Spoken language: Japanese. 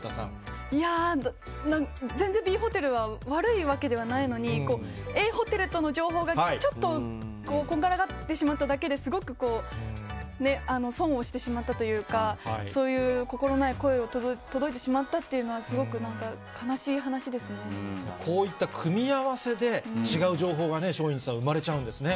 いやぁ、全然Ｂホテルは悪いわけではないのに、Ａホテルとの情報がちょっとこんがらがってしまっただけで、すごく損をしてしまったというか、そういう心ない声を届いてしまったというのは、すごくなんか、こういった組み合わせで、違う情報がね、松陰寺さん、生まれちゃうんですね。